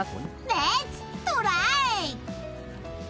レッツトライ！